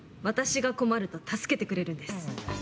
私が困ると助けてくれるんです。